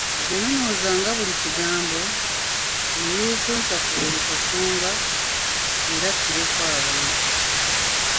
Yanonoozanga buli kagambo, ne yeesonsa ku buli kasonga era attireko abantu.